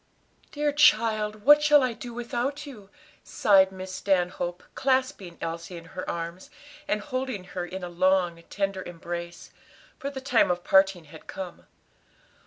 "Dear child, what shall I do without you?" sighed Miss Stanhope, clasping Elsie in her arms, and holding her in a long, tender embrace; for the time of parting had come.